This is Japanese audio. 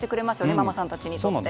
ママさんたちにとって。